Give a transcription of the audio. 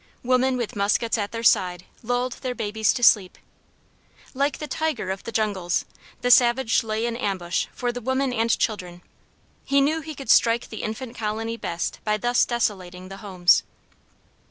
Women with muskets at their side lulled their babes to sleep. Like the tiger of the jungles, the savage lay in ambush for the women and children: he knew he could strike the infant colony best by thus desolating the homes.